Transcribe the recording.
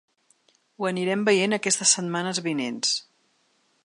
Ho anirem veient aquestes setmanes vinents.